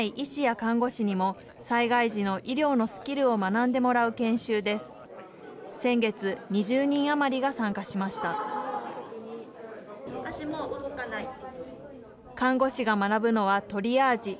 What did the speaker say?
看護師が学ぶのはトリアージ。